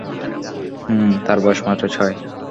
হুমমম - তার বয়স মাত্র ছয়।